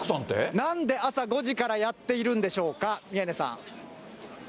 なんで朝５時からやってるんでしょうか、宮根さん。